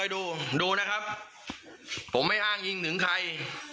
ดูดูนะครับผมไม่อ้างอิงถึงใคร